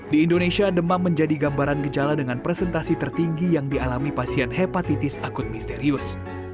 di indonesia demam menjadi gambaran gejala dengan presentasi tertinggi yang dialami pasien hepatitis akut misterius